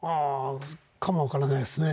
かも分からないですね。